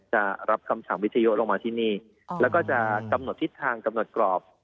จะรับคำสั่งวิทยุลงมาที่นี่แล้วก็จะกำหนดทิศทางกำหนดกรอบ